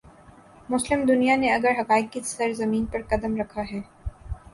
مسلم دنیا نے اگر حقائق کی سرزمین پر قدم رکھا ہے۔